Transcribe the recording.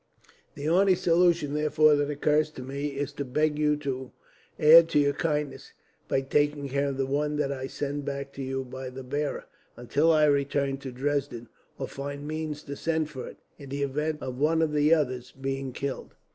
The only solution, therefore, that occurs to me is to beg you to add to your kindness, by taking care of the one that I send back to you by the bearer, until I return to Dresden; or find means to send for it, in the event of one of the others being killed.